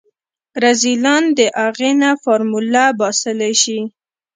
رذيلان د اغې نه فارموله باسلی شي.